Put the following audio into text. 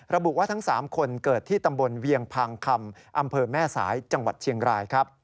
ระบุว่าทั้ง๓คนเกิดที่ตำบลเวียงพางคำอำเภอแม่สายจังหวัดเชียงรายครับ